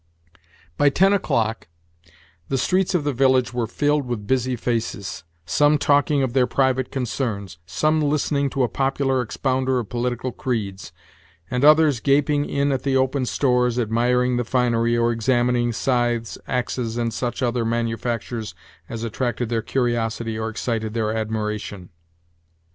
By ten o'clock the streets of the village were filled with busy faces; some talking of their private concerns, some listening to a popular expounder of political creeds; and others gaping in at the open stores, admiring the finery, or examining scythes, axes, and such other manufactures as attracted their curiosity or excited their admiration.